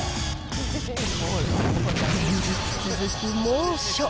連日続く猛暑。